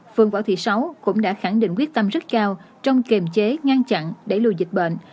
phương võ thị sáu cũng đã khẳng định quyết tâm rất cao trong kiềm chế ngăn chặn đẩy lùi dịch bệnh